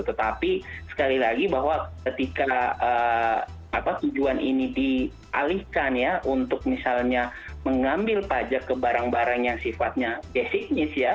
tetapi sekali lagi bahwa ketika tujuan ini dialihkan ya untuk misalnya mengambil pajak ke barang barang yang sifatnya basic news ya